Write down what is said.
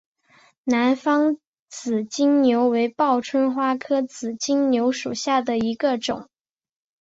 南方紫金牛为报春花科紫金牛属下的一个种。